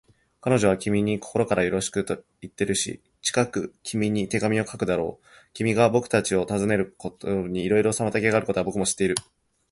彼女は君に心からよろしくといっているし、近く君に手紙を書くだろう。君がぼくたちを訪ねてくれることにいろいろ妨げがあることは、ぼくも知っている。